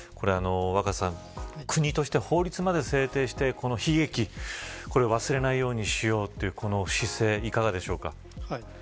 若狭さん国としては法律まで制定してこの悲劇を忘れないようにしようという姿勢、いかがでしょうか。